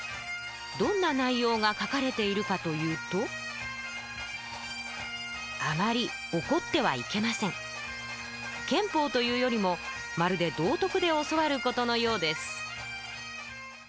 どんな内容が書かれているかというと憲法というよりもまるで道徳で教わることのようです